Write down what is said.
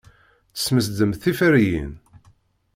Tesmesdemt tiferyin.